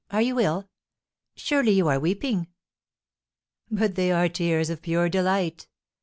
Are you ill? Surely you are weeping!" "But they are tears of pure delight.